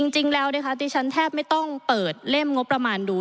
จริงแล้วนะคะดิฉันแทบไม่ต้องเปิดเล่มงบประมาณดู